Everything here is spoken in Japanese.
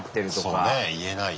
そうね言えないよね。